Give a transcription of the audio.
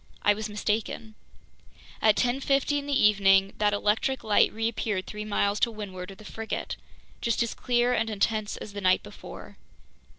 I was mistaken. At 10:50 in the evening, that electric light reappeared three miles to windward of the frigate, just as clear and intense as the night before.